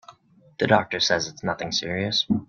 The doctor says it's nothing serious.